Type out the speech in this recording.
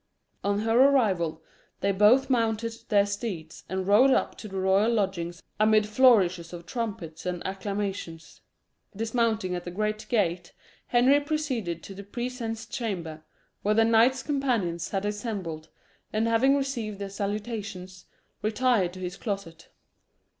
On her arrival they both mounted their steeds, and rode up to the royal lodgings amid flourishes of trumpets and acclamations. Dismounting at the great gate, Henry proceeded to the presence chamber, where the knights companions had assembled, and having received their salutations, retired to his closet.